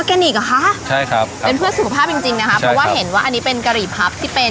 อันนี้ก็จะเป็นส่วนของออร์แกนิกเหรอคะ